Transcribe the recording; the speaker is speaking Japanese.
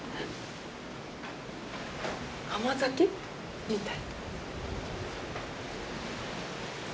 甘酒みたい。